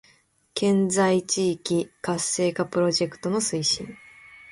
県西地域活性化プロジェクトの推進